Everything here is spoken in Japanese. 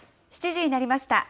７時になりました。